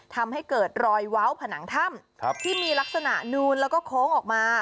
ทำให้เกิดรอยเว้าผนังถ้ำที่มีลักษณะนูนแล้วก็โค้งออกมา